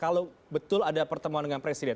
kalau betul ada pertemuan dengan presiden